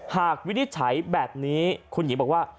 วินิจฉัยแบบนี้คุณหญิงบอกว่า